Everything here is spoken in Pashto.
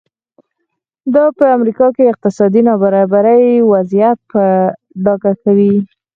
دا په امریکا کې د اقتصادي نابرابرۍ وضعیت په ډاګه کوي.